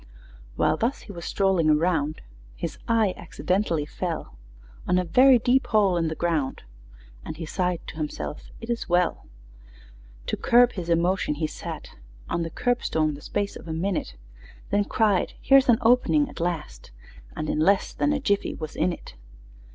While thus he was strolling around, His eye accidentally fell On a very deep hole in the ground, And he sighed to himself, "It is well!" To curb his emotions, he sat On the curbstone the space of a minute, Then cried, "Here's an opening at last!" And in less than a jiffy was in it!